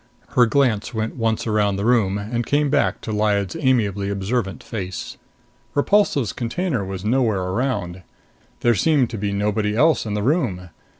Her glance went once around the room and came back to Lyad's amiably observant face. Repulsive's container was nowhere around. There seemed to be nobody else in the room.